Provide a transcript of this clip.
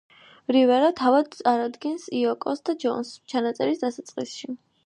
რივერა თავად წარადგენს იოკოს და ჯონს ჩანაწერის დასაწყისში.